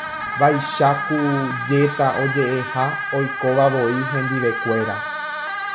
Vaicha ku jéta ojeʼeha oikovavoi hendivekuéra.